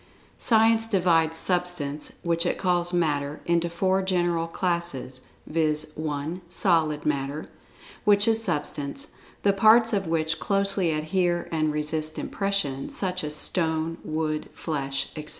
Science divides Substance (which it calls "Matter") into four general classes, viz.: (1) Solid Matter, which is Substance, the parts of which closely adhere and resist impression,[Pg 62] such as stone, wood, flesh, etc.